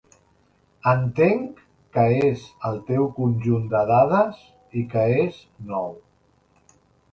Entenc que és el teu conjunt de dades i que és nou.